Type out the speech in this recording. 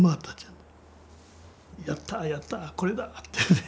やったやったこれだってね。